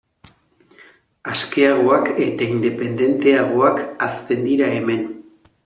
Askeagoak eta independenteagoak hazten dira hemen.